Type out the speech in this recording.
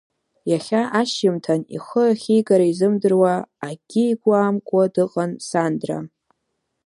Иахьа ашьыжьымҭан ихы ахьигара изымдыруа, акгьы игәы амкуа дыҟан Сандра.